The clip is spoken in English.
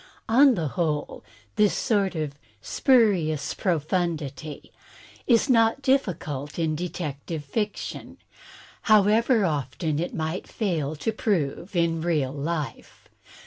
On the whole this sort of "spurious profundity " is not diflScult in detective fiction, however often it might fail to prove in real life.